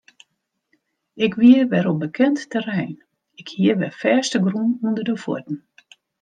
Ik wie wer op bekend terrein, ik hie wer fêstegrûn ûnder de fuotten.